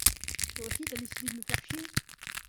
Toi aussi t’as décidé de me faire chier?